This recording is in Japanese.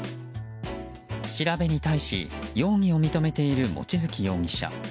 調べに対し容疑を認めている望月容疑者。